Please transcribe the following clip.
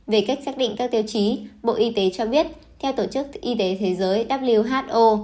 về cách xác định các tiêu chí bộ y tế cho biết theo tổ chức y tế thế giới who